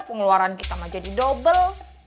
rupung keluaran kita mah jadi dobel